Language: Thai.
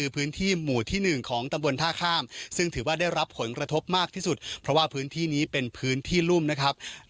เพราะว่าพื้นที่นี้เป็นพื้นที่รุ่มนะครับ